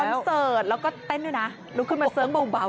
ไปคอนเสิร์ตแล้วก็เต้นดูนะลุกขึ้นมาเสิร์กเบา